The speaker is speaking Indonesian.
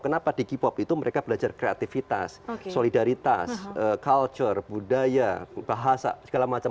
kenapa di k pop itu mereka belajar kreativitas solidaritas culture budaya bahasa segala macam